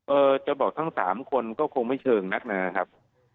จะบอกทั้งสามคนก็คงไม่เชิงนักนะครับ